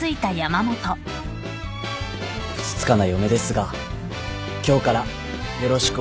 ふつつかな嫁ですが今日からよろしくお願いします。